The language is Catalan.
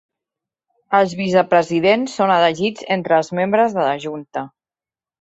Els vicepresidents són elegits entre els membres de la junta.